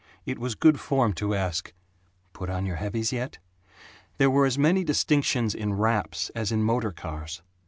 It was good form to ask, "Put on your heavies yet?" There were as many distinctions in wraps as in motor cars.